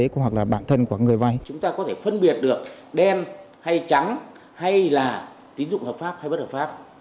chúng ta có thể phân biệt được đen hay trắng hay là tín dụng hợp pháp hay bất hợp pháp